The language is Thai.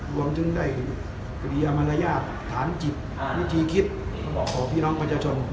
รวมถึงได้กริยามารยาทฐานจิตวิธีคิดของพี่น้องประชาชน